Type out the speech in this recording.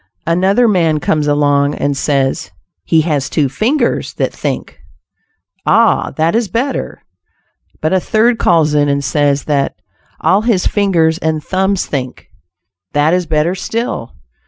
Another man comes along, and says "he has two fingers that think." "Ah! that is better." But a third calls in and says that "all his fingers and thumbs think." That is better still.